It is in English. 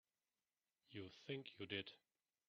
You think you did.